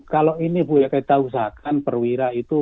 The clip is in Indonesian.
kalau ini kita usahakan perwira itu